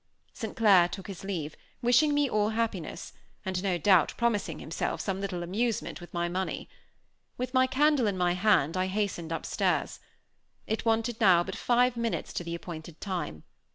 St. Clair took his leave, wishing me all happiness, and no doubt promising himself some little amusement with my money. With my candle in my hand, I hastened upstairs. It wanted now but five minutes to the appointed time.